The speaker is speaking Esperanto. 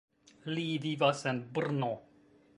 Li vivas en Brno.